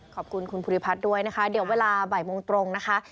ขอบคุณคุณภูริพัฒน์ด้วยนะคะเดี๋ยวเวลาบ่ายโมงตรงนะคะ